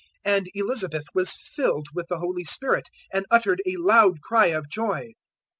And Elizabeth was filled with the Holy Spirit, 001:042 and uttered a loud cry of joy.